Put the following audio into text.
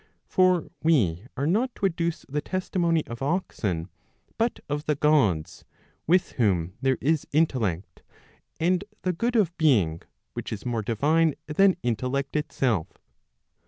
For we are not to adduce the testimony of oxen, but of the Gods, with whom there is intellect, and the good of being, which is more divine than intellect itself.